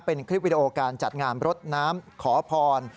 เป็นคลิปวิดีโอการจัดงานรดน้ำขอพร